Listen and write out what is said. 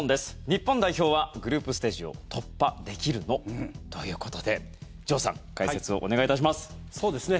日本代表はグループステージを突破できるの？ということで城さん解説をお願いいたします。